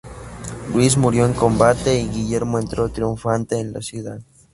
Luis murió en combate y Guillermo entró triunfante en la ciudad.